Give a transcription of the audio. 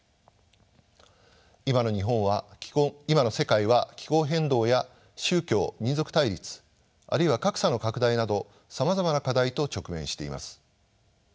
今の世界は気候変動や宗教民族対立あるいは格差の拡大などさまざまな課題と直面しています。